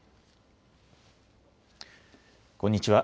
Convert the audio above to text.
こんにちは。